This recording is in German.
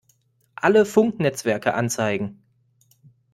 Alle Funknetzwerke anzeigen!